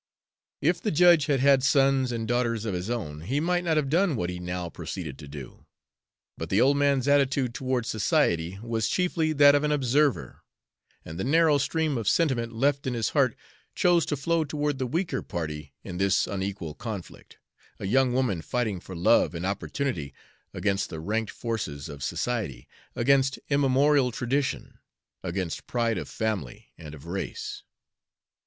If the judge had had sons and daughters of his own, he might not have done what he now proceeded to do. But the old man's attitude toward society was chiefly that of an observer, and the narrow stream of sentiment left in his heart chose to flow toward the weaker party in this unequal conflict, a young woman fighting for love and opportunity against the ranked forces of society, against immemorial tradition, against pride of family and of race.